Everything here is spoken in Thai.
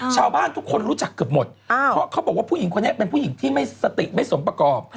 ชาวบ้านทุกคนรู้จักเกือบหมดเพราะเขาบอกว่าผู้หญิงคนนี้เป็นผู้หญิงที่ไม่สติไม่สมประกอบ